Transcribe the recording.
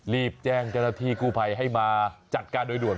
รีบแจ้งเจ้าหน้าที่กู้ภัยให้มาจัดการโดยด่วน